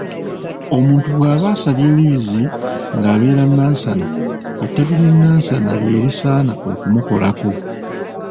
Omuntu bw’aba asabye liizi nga abeera Nansana, ettabi ly'e Nansana ly'erisaana okumukolako.